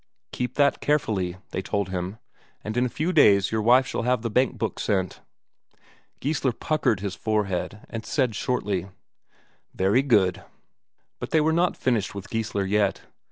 "Keep that carefully," they told him, "and in a few days your wife shall have the bankbook sent." Geissler puckered his forehead and said shortly: "Very good." But they were not finished with Geissler yet.